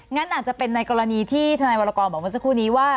งั้นอาจจะเป็นในกรณีที่ทนายวรกรบอกเมื่อสักครู่นี้ว่า